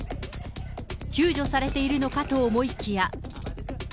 救助されているのかと思いきや。